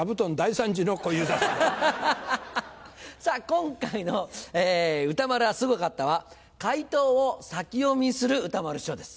今回の「歌丸はすごかった」は「回答を先読みする歌丸師匠」です。